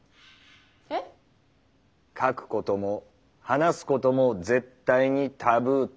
えっ？書くことも話すことも絶対に「タブー」ってことだ。